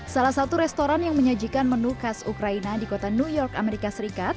salah satu restoran yang menyajikan menu khas ukraina di kota new york amerika serikat